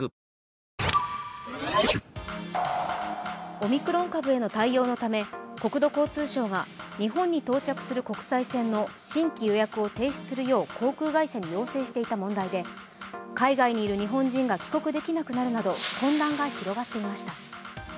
オミクロン株への対応のため、国土交通省は日本に到着する国際線の新規予約を停止するよう航空会社に要請していた問題で海外にいる日本人が帰国できなくなるなど混乱が広がっていました。